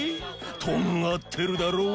とんがってるだろ！